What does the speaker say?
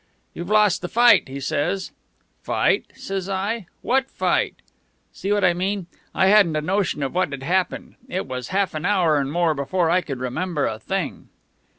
'You've lost the fight,' he says. 'Fight?' says I. 'What fight?' See what I mean? I hadn't a notion of what had happened. It was half an hour and more before I could remember a thing."